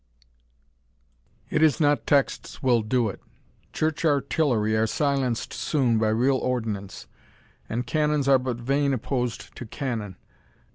It is not texts will do it Church artillery Are silenced soon by real ordnance, And canons are but vain opposed to cannon.